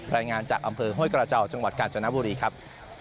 รายงานจากอำเภอห้วยกระเจ้าจังหวัดกาญจนบุรีครับ